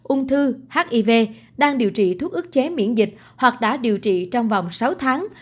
ung thư hiv đang điều trị thuốc ức chế miễn dịch hoặc đã điều trị trong vòng sáu tháng